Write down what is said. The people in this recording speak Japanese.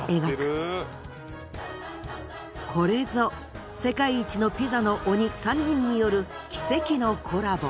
これぞ世界一のピザの鬼３人による奇跡のコラボ。